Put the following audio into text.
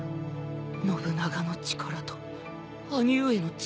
信長の力と兄上の血で。